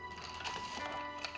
ini udah kaget